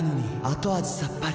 後味さっぱり．．．